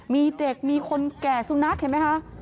มีเด็กมีคนแก่สุนัขเห็นไหมคะ